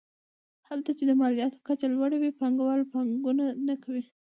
هلته چې د مالیاتو کچه لوړه وي پانګوال پانګونه نه کوي.